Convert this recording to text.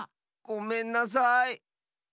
ごめんなさい。